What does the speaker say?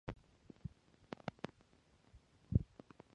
It was named after Altamont, Illinois.